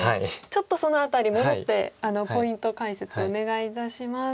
ちょっとその辺り戻ってポイント解説お願いいたします。